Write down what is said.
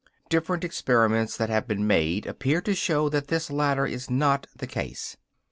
Different experiments that have been made appear to show that this latter is not the case.